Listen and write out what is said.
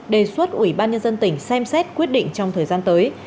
đề xuất ubnd tỉnh xem xét quyết định trong thời gian tới